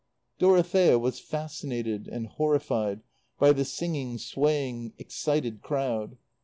Dorothea was fascinated and horrified by the singing, swaying, excited crowd.